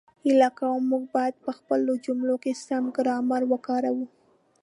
هیله کووم، موږ باید په خپلو جملو کې سم ګرامر وکاروو